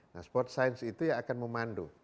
nah sport science itu yang akan memandu